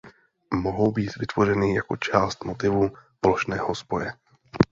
Mohou být vytvořeny jako část motivu plošného spoje.